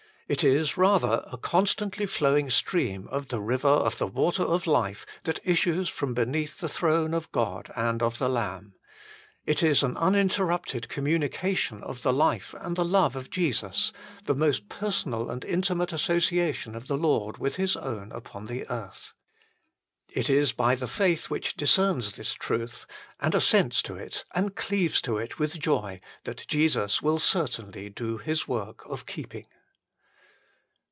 It is rather a constantly 1 Gal. ii. 20. HOW IT MAY BE KEPT 97 flowing stream of the river of the water of life that issues from beneath the throne of God and of the Lamb. It is an uninterrupted communica tion of the life and the love of Jesus, the most personal and intimate association of the Lord with His own upon the earth. It is by the faith which discerns this truth, and assents to it, and cleaves to it with joy, that Jesus will certainly do His work of keeping.